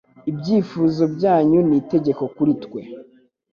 ibyifuzo byanyu ni itegeko kuri twe.